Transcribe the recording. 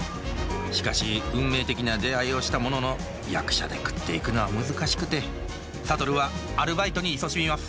しかし運命的な出会いをしたものの役者で食っていくのは難しくて諭はアルバイトにいそしみます